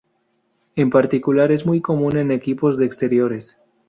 En particular, es muy común en equipos de exteriores.